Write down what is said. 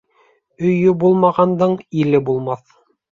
Өйө булмағандың иле булмаҫ.